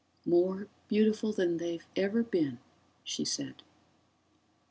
"More beautiful than they've ever been," she said.